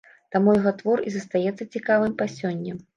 Таму яго твор і застаецца цікавым па сёння.